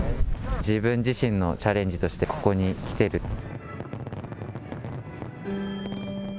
自分自身のチャレンジとしてここに来てる。